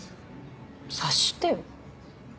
察してよ。